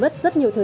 ở dưới này ạ